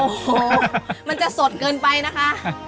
โอ้โหมันจะสดเกินไปนะคะ